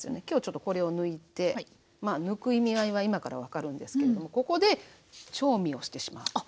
今日ちょっとこれを抜いて抜く意味合いは今から分かるんですけれどもここで調味をしてしまう。